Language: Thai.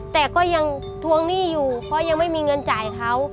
แต่ก็ยังทวงหนี้อยู่เพราะยังไม่มีเงินจ่ายเขา